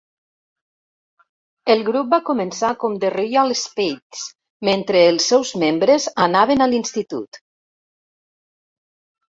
El grup va començar com The Royal Spades mentre els seus membres anaven a l'institut.